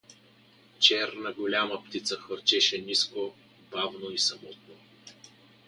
Черна голяма птица хвърчеше ниско, бавно и самотно.